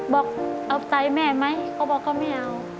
บอกเอาใจแม่ไหมเขาบอกเขาไม่เอา